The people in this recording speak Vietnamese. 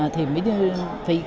thì mới đưa